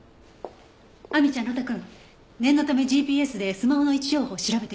亜美ちゃん呂太くん念のためＧＰＳでスマホの位置情報調べてみて。